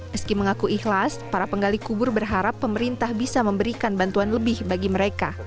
meski mengaku ikhlas para penggali kubur berharap pemerintah bisa memberikan bantuan lebih bagi mereka